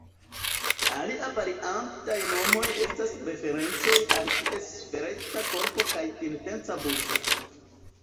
Alia variantaj nomoj estas referencoj al ties svelta korpo kaj pinteca buŝo.